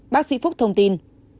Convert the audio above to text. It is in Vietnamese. bác sĩ phúc thông tin